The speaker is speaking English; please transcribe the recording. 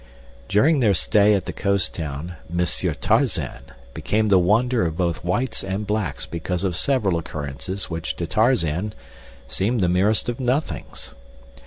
During their stay at the coast town "Monsieur Tarzan" became the wonder of both whites and blacks because of several occurrences which to Tarzan seemed the merest of nothings.